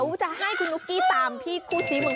เราต้องไปพิสูจน์